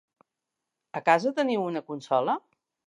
A casa teniu una consola?